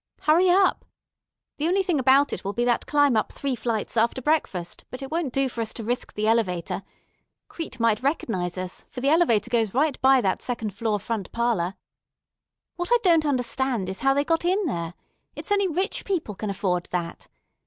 Hurry up. The only thing about it will be that climb up three flights after breakfast, but it won't do for us to risk the elevator. Crete might recognize us, for the elevator goes right by that second floor front parlor. What I don't understand is how they got in there. It's only rich people can afford that.